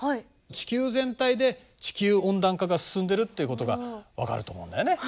地球全体で地球温暖化が進んでいるっていうことが分かると思うんだよね。